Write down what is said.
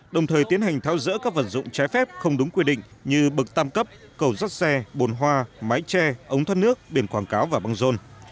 đồng thời tiến hành thao dỡ các vật dụng trái phép không đúng quy định như bực tam cấp cầu rắc xe bồn hoa mái tre ống thoát nước biển quảng cáo và băng rôn